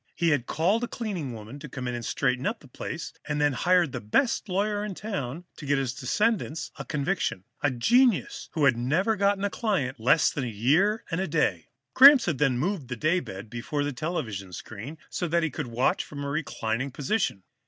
He had called a cleaning woman to come straighten the place up, then had hired the best lawyer in town to get his descendants a conviction, a genius who had never gotten a client less than a year and a day. Gramps had then moved the daybed before the television screen, so that he could watch from a reclining position.